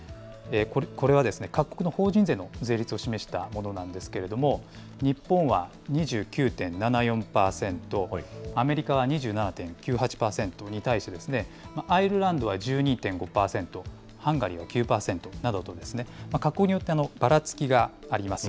これは各国の法人税の税率を示したものなんですけれども、日本は２９．７４％、アメリカは２７．９８％に対して、アイルランドは１２．５％、ハンガリーは９％などと、各国によってばらつきがあります。